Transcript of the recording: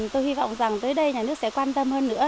tôi hy vọng rằng tới đây nhà nước sẽ quan tâm hơn nữa